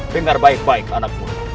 dengar baik baik anakmu